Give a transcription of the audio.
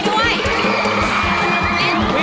เตรียมแรงที